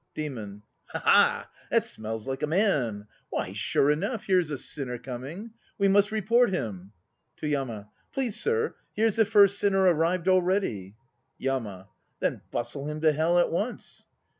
DEMON. Haha! That smells like a man. Why, sure enough here's a sinner coming. We must report him. (To YAMA.) Please, sir, here's the first sinner arrived already! YAMA. Then bustle him to Hell at once.